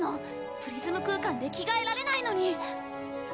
プリズム空間で着替えられないのに！